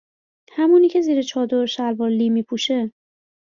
همونی که زیر چادر شلوار لی می پوشه